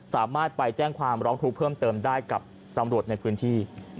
สามารถไปแจ้งความร้องทุกข์เพิ่มเติมได้กับตำรวจในพื้นที่